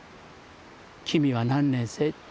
「君は何年生？」